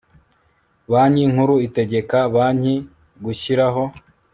banki nkuru itegeka banki gushyiraho